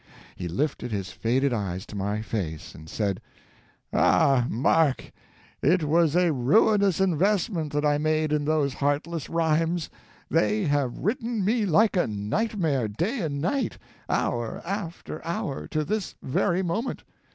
He lifted his faded eyes to my face and said: "Ah, Mark, it was a ruinous investment that I made in those heartless rhymes. They have ridden me like a nightmare, day and night, hour after hour, to this very moment.